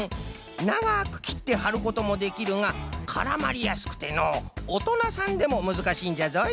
ながくきってはることもできるがからまりやすくてのおとなさんでもむずかしいんじゃぞい。